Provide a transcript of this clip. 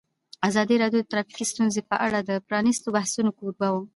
ازادي راډیو د ټرافیکي ستونزې په اړه د پرانیستو بحثونو کوربه وه.